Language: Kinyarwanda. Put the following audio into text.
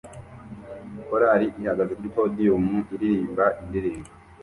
Korali ihagaze kuri podium iririmba indirimbo